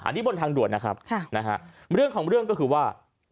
อันนี้บนทางด่วนนะครับเรื่องของเรื่องก็คือว่า